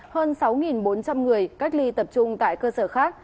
hơn sáu bốn trăm linh người cách ly tập trung tại cơ sở khác